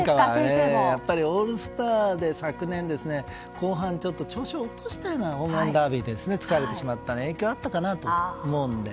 やっぱりオールスターで昨年後半調子を落としたようなそれはホームランダービーで疲れてしまった影響があったかなと思うので。